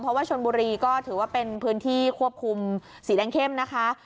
เพราะว่าชนบุรีก็ถือว่าเป็นพื้นที่ควบคุมสีแดงเข้มนะคะ